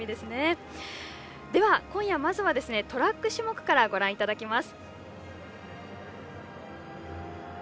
今夜、まずはトラック種目からご覧いただきます。